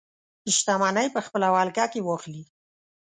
شتمنۍ په خپله ولکه کې واخلي.